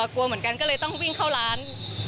กลัวเหมือนกันก็เลยต้องวิ่งเข้าร้าน